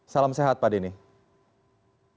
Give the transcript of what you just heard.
salam sehat pak denny